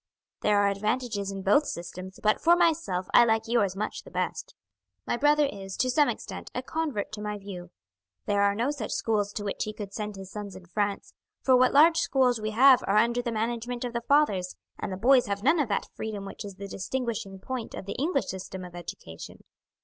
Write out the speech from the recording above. There are advantages in both systems, but for myself I like yours much the best. My brother is, to some extent, a convert to my view. There are no such schools to which he could send his sons in France, for what large schools we have are under the management of the fathers, and the boys have none of that freedom which is the distinguishing point of the English system of education.